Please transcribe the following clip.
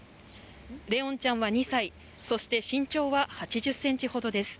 怜音ちゃんは２歳、そして身長は８０ｃｍほどです。